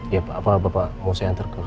iya pa apa bapak mau saya hantar ke kantor